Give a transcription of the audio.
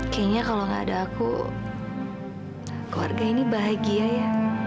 kayaknya kalau gak ada aku keluarga ini bahagia ya